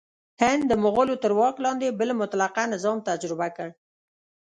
هند د مغولو تر واک لاندې بل مطلقه نظام تجربه کړ.